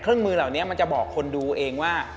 เครื่องมือเหล่านี้มันจะบอกคนดูเองว่า